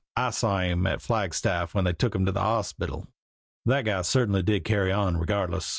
I saw him at Flagstaff when they took him there to the hospital. That guy certainly did carry on regardless.